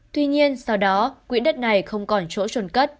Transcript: tuy nhiên sau đó quỹ đất này không còn chỗ trốn cất